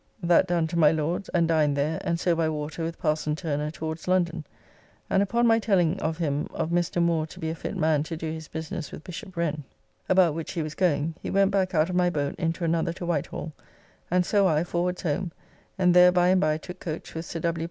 That done to my Lord's and dined there, and so by water with parson Turner towards London, and upon my telling of him of Mr. Moore to be a fit man to do his business with Bishop Wren, about which he was going, he went back out of my boat into another to Whitehall, and so I forwards home and there by and by took coach with Sir W.